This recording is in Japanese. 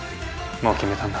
もう決めたんだ。